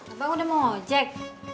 abang udah mau ojek